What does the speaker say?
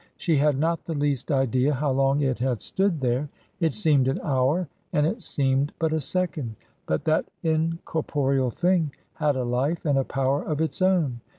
She had not the least idea how long it had stood there; it seemed an hour, and it seemed but a second. But that incorporeal thing had a life and a power of its own.